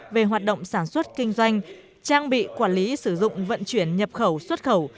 về hoạt động sản xuất kinh doanh trang bị quản lý sử dụng vận chuyển nhập khẩu xuất khẩu